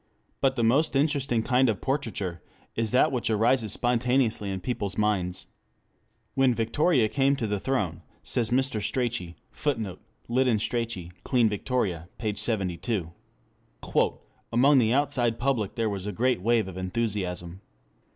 But the most interesting kind of portraiture is that which arises spontaneously in people's minds. When Victoria came to the throne, says Mr. Strachey, [Footnote: Lytton Strachey, Queen Victoria, p. 72.] "among the outside public there was a great wave of enthusiasm.